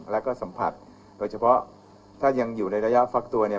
แล้วก็สัมผัสโดยเฉพาะถ้ายังอยู่ในระยะฟักตัวเนี่ย